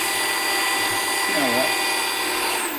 Kwihaweh.